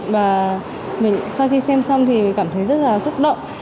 và mình sau khi xem xong thì cảm thấy rất là xúc động